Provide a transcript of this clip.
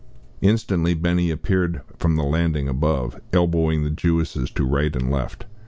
Instantly Benny appeared from the landing above, elbowing the Jewesses to right and left.